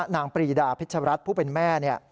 นางปรีดาเพชรรัฐผู้เป็นแม่